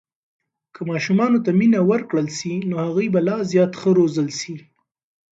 که ماشومانو ته مینه ورکړل سي، نو هغوی به لا زیات ښه روزل سي.